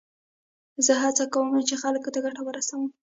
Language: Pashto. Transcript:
زه هڅه کوم، چي خلکو ته ګټه ورسوم.